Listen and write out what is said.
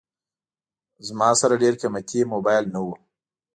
ما سره ډېر قیمتي موبایل نه و.